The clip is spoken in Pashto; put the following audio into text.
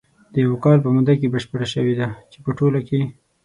د یوه کال په موده کې بشپره شوې ده، چې په ټوله کې